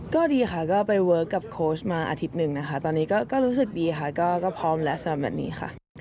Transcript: ก็ดีค่ะก็ไปเวิร์คกับโค้ชมาอาทิตย์หนึ่งนะคะตอนนี้ก็รู้สึกดีค่ะก็พร้อมแล้วสำหรับแมทนี้ค่ะ